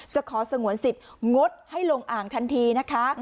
จะขอสงวนสิทธิ์งดให้ลงอ่างทันทีนะคะ